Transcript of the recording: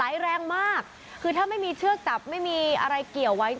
แรงมากคือถ้าไม่มีเชือกจับไม่มีอะไรเกี่ยวไว้